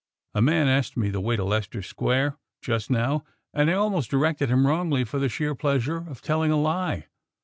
A man asked me the way to Leicester Square just now, and I almost directed him wrongly for the sheer pleasure of telling a lie.